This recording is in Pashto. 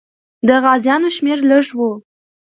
د غازیانو شمېر لږ وو.